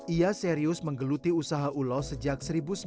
ia serius menggeluti usaha ulos sejak seribu sembilan ratus sembilan puluh